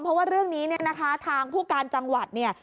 เพราะว่าเรื่องนี้เนี่ยนะคะทางผู้การจังหวัดเนี่ย